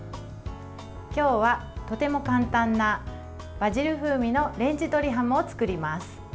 今日はとても簡単なバジル風味のレンジ鶏ハムを作ります。